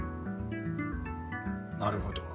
なるほど。